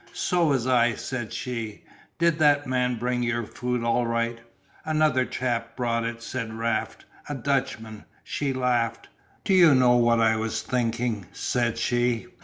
"So was I," said she, "did that man bring you your food all right?" "Another chap brought it," said Raft, "a Dutchman." She laughed. "Do you know what I was thinking?" said she.